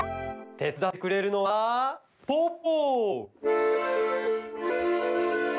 てつだってくれるのはポッポ！